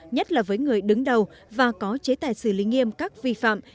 nhất là với người đứng đầu và có chế tài xử lý nghiêm các vi phạm